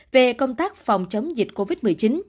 về công tác phòng chống dịch covid một mươi chín